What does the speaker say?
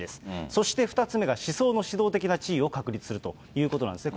そして２つ目が思想の指導的な地位を確立するということなんですね。